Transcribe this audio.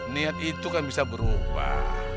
niat itu kan bisa berubah